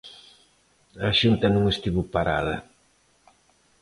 A Xunta non estivo parada.